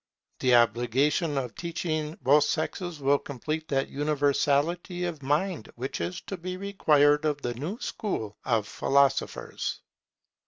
The obligation of teaching both sexes will complete that universality of mind which is to be required of the new school of philosophers.